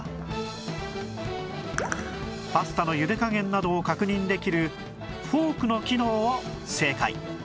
パスタのゆで加減などを確認できるフォークの機能を正解